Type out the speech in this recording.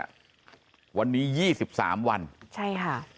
ถ้านับตั้งแต่วันที่หนีออกจากโรงพยาบาลมหาราชนครศรีธรรมราชเนี่ย